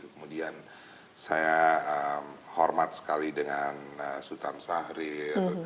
kemudian saya hormat sekali dengan sutan sahrir